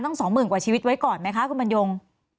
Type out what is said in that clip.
สองหมื่นกว่าชีวิตไว้ก่อนไหมคะคุณบรรยง